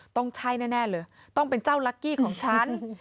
ต้องใช่แน่เลยต้องเป็นเจ้าลักกี้ของฉัน